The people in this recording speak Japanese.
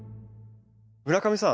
村上さん